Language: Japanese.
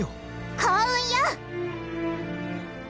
幸運よ。